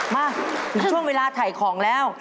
มาถึงช่วงเวลาถ่ายของแล้ว